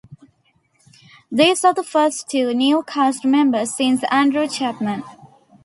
These are the first two new cast members since Andrew Chapman.